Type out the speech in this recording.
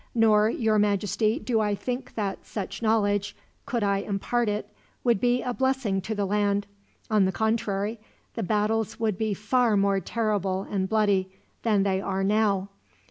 Nor, your Majesty, do I think that such knowledge, could I impart it, would be a blessing to the land; on the contrary, the battles would be far more terrible and bloody than they now are.